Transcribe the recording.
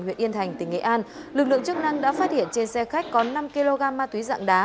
huyện yên thành tỉnh nghệ an lực lượng chức năng đã phát hiện trên xe khách có năm kg ma túy dạng đá